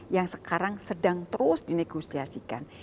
yang sekarang sedang terus dinegosiasikan